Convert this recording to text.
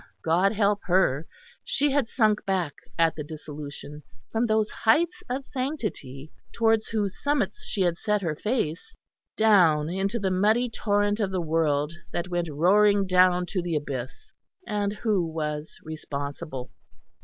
God help her she had sunk back at the dissolution, from those heights of sanctity towards whose summits she had set her face, down into the muddy torrent of the world that went roaring down to the abyss and who was responsible?